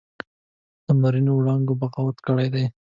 لمرینو وړانګو بغاوت کړی دی